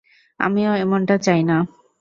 আমিও এমনটা চাই না!